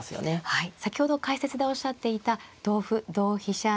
はい先ほど解説でおっしゃっていた同歩同飛車